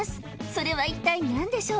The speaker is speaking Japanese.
それは一体何でしょう？